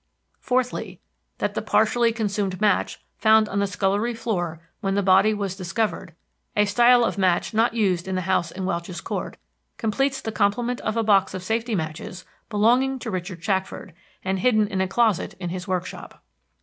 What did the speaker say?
"Fourthly. That the partially consumed match found on the scullery floor when the body was discovered (a style of match not used in the house in Welch's Court) completes the complement of a box of safety matches belonging to Richard Shackford, and hidden in a closet in his workshop.